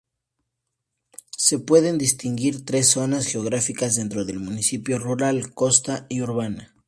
Se pueden distinguir tres zonas geográficas dentro del municipio: rural, costa y urbana.